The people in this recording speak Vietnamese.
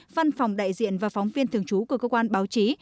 văn phòng đại diện và phóng viên thường trú của cơ quan báo chí